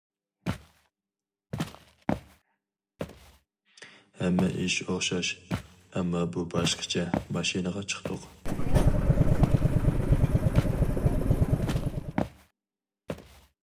-ھەممە ئىش ئوخشاش، ئەمما بۇ باشقىچە. ماشىنىغا چىقتۇق.